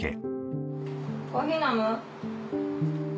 コーヒー飲む？